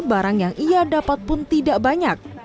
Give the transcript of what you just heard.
barang yang ia dapat pun tidak banyak